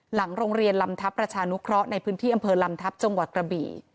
หลังโรงเรียนลำทัพประชานุเคราะห์ในพื้นที่อำเภอลำทัพจังหวัดกระบี่